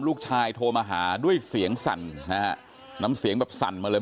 โทรมาหาด้วยเสียงสั่นนะฮะน้ำเสียงแบบสั่นมาเลย